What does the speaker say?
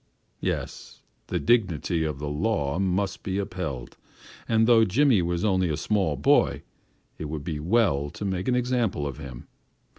Yes, the dignity of the law must be upheld, and though Jimmy was only a small boy, it would be well to make an example of him.